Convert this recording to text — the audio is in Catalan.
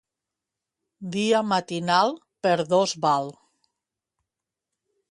Dia matinal, per dos val.